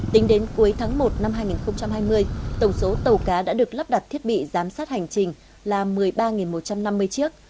tính đến cuối tháng một năm hai nghìn hai mươi tổng số tàu cá đã được lắp đặt thiết bị giám sát hành trình là một mươi ba một trăm năm mươi chiếc